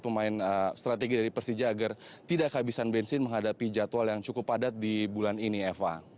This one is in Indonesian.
pemain strategi dari persija agar tidak kehabisan bensin menghadapi jadwal yang cukup padat di bulan ini eva